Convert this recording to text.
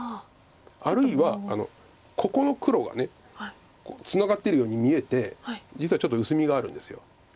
あるいはここの黒がツナがってるように見えて実はちょっと薄みがあるんです。